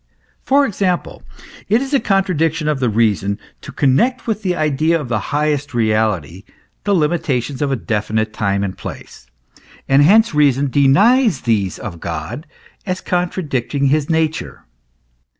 For example, it is a contradiction of reason to connect with the idea of the highest reality the limitations of definite time and place; and hence reason denies these of God, as contradicting his nature.